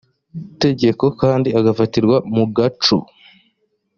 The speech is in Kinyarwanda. tegeko kandi agafatirwa mu gaco